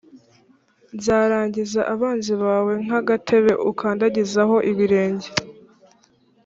nzagirira abanzi bawe nk agatebe ukandagizaho ibirenge